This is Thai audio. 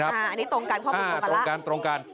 อันนี้ตรงกันข้อมูลมาแล้วตรงกัน